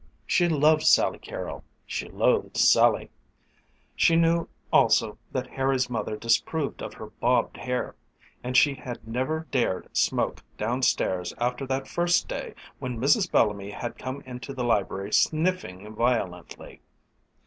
She loved "Sally Carrol"; she loathed "Sally." She knew also that Harry's mother disapproved of her bobbed hair; and she had never dared smoke down stairs after that first day when Mrs. Bellamy had come into the library sniffing violently.